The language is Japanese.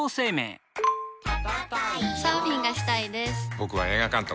僕は映画監督。